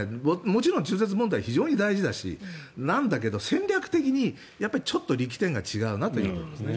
もちろん中絶問題は非常に大事だけどなんだけど戦略的にちょっと力点が違うなと。